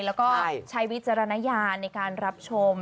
แล้วก็ใช้วิจารณญาณในการรับชม